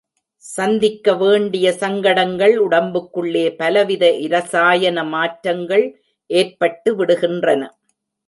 சந்திக்க வேண்டிய சங்கடங்கள் உடம்புக்குள்ளே பலவித இரசாயன மாற்றங்கள் ஏற்பட்டு விடுகின்றன.